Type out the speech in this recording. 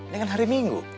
ini kan hari minggu